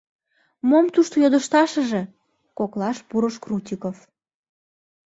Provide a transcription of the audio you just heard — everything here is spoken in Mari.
Мом тушто йодышташыже, — коклаш пурыш Крутиков.